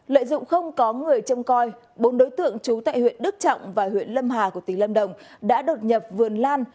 lợi dụng không có người châm coi bốn đối tượng trú tại huyện đức trọng và huyện lâm hà của tỉnh lâm đồng đã đột nhập vườn lan